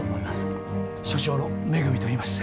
所長の恵といいます。